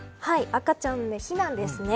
赤ちゃんのヒナですね。